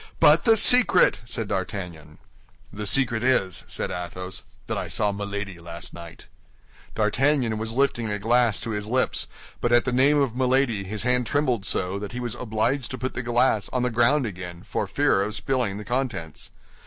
"But the secret!" said D'Artagnan. "The secret is," said Athos, "that I saw Milady last night." D'Artagnan was lifting a glass to his lips; but at the name of Milady, his hand trembled so, that he was obliged to put the glass on the ground again for fear of spilling the contents."